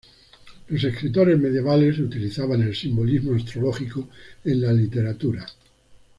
Los escritores medievales utilizaban el simbolismo astrológico en la literatura.